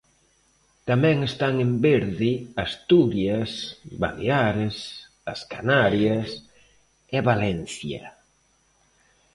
Tamén están en verde Asturias, Baleares, as Canarias e Valencia.